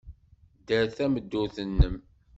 Dder tameddurt-nnem.